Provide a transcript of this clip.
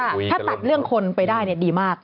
ถ้าตัดเรื่องคนไปได้ดีมาก